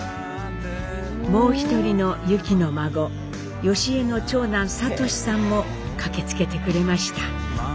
もう一人のユキの孫祥江の長男哲司さんも駆けつけてくれました。